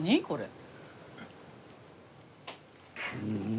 これ。